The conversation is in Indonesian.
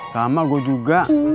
sama gue juga